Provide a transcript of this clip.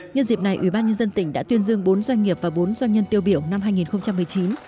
nhân dịp này ubnd tỉnh đã tuyên dương bốn doanh nghiệp và bốn doanh nhân tiêu biểu năm hai nghìn một mươi chín